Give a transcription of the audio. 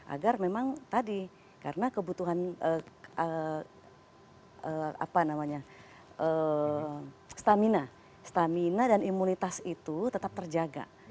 agar memang tadi karena kebutuhan stamina dan imunitas itu tetap terjaga